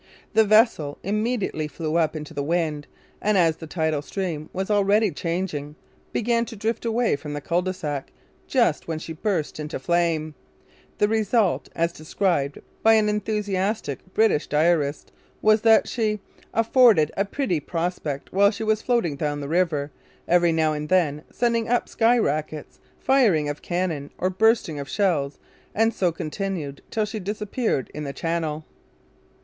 The vessel immediately flew up into the wind and, as the tidal stream was already changing, began to drift away from the Cul de Sac just when she burst into flame. The result, as described by an enthusiastic British diarist, was that 'she affoard'd a very pritty prospect while she was floating down the River, every now & then sending up Sky rackets, firing of Cannon or bursting of Shells, & so continued till She disappear'd in the Channell.'